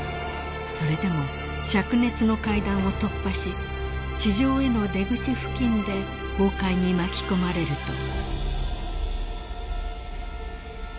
［それでも灼熱の階段を突破し地上への出口付近で崩壊に巻き込まれると］